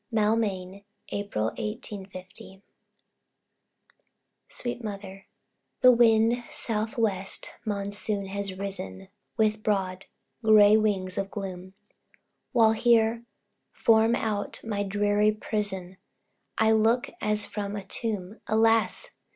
Maulmain, April, 1850. SWEET MOTHER. The wild, south west Monsoon has risen, With broad, gray wings of gloom, While here, from out my dreary prison, I look, as from a tomb Alas!